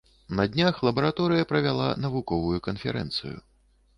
На днях лабараторыя правяла навуковую канферэнцыю.